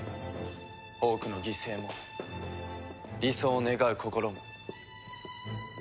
多くの犠牲も理想を願う心も。